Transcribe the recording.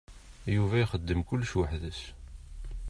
Yuba ixeddem kullec weḥd-s.